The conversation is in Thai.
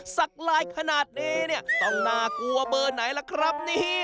สักลายขนาดนี้ต้องน่ากลัวเบอร์ไหนล่ะครับ